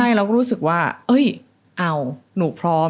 ใช่เราก็รู้สึกว่าเอาหนูพร้อม